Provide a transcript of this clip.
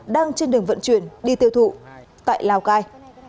đang trên đường vận chuyển đi tiêu thụ tại lào cai